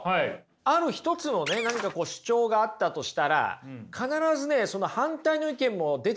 ある一つのね何か主張があったとしたら必ずねその反対の意見も出てくるんですよ。